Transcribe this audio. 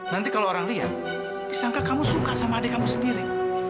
nanti kalau orang lihat disangka kamu suka sama adik kamu sendiri